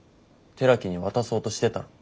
寺木に渡そうとしてたろ。